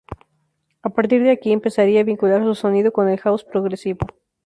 A partir de aquí empezaría a vincular su sonido con el house progresivo.